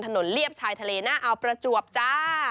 เลียบชายทะเลหน้าอาวประจวบจ้า